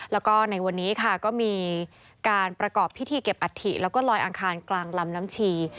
แล้วก็ในวันนี้ค่ะก็มีการประกอบพิธีเก็บอัฐิแล้วก็ลอยอังคารกลางลำน้ำชี